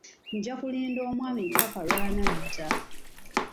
Nja kulinda omwami ppaka lw'anadda.